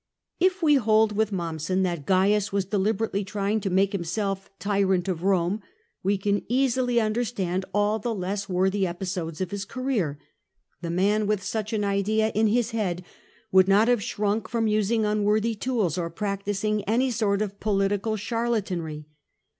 If we hold, with Mommsen, that Cains was deliberately trying to make Mmself tyrant of Rome, we can easily understand all the less worthy episodes of his career. The man with such an idea in his head would not have shrunk from using unworthy tools or practising any sort of political charlatanry.